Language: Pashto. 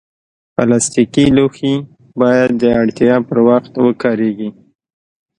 پلاستيکي لوښي باید د اړتیا پر وخت وکارېږي.